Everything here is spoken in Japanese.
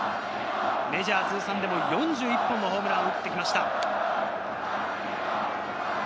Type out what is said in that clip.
メジャー通算４１本のホームランを打ちました。